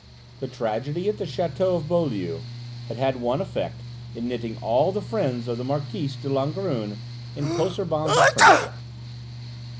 The tragedy at the château of Beaulieu had had one effect in knitting all the friends of the Marquise de Langrune in closer bonds of friendship.